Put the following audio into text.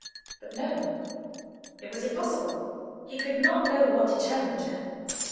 But no—it was impossible; he could not know what determined her.